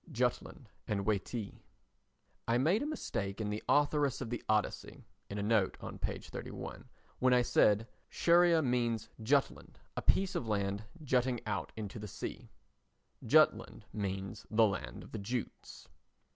Jutland and "Waitee" I made a mistake in The Authoress of the Odyssey [in a note on p. 31] when I said "Scheria means Jutland—a piece of land jutting out into the sea." Jutland means the Land of the Jutes.